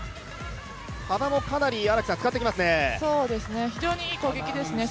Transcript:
幅もかなり使ってきますね。